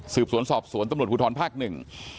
สืบสวนสอบสวนตำรวจภูทรภาคหนึ่ง